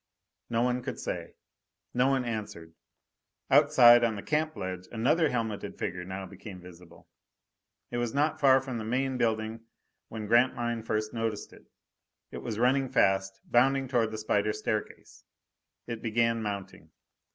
No one could say. No one answered. Outside, on the camp ledge, another helmeted figure now became visible. It was not far from the main building when Grantline first noticed it. It was running fast, bounding toward the spider staircase. It began mounting.